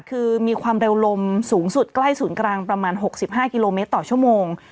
คือมีความเร็วลมสูงสุดใกล้ศูนย์กลางประมาณ๖๕กิโลเมตรต่อชั่วโมง